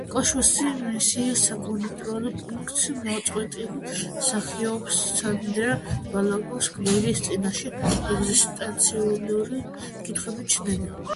კოსმოსში მისიის საკონტროლო პუნქტს მოწყვეტილი მსახიობის, სანდრა ბალოკის გმირის წინაშე ეგზისტენციალური კითხვები ჩნდება.